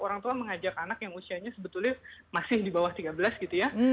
orang tua mengajak anak yang usianya sebetulnya masih di bawah tiga belas gitu ya